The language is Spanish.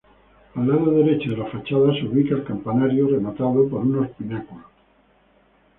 Al lado derecho de la fachada se ubica el campanario, rematado por unos pináculos.